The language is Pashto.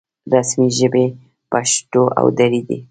رسمي ژبې پښتو او دري دي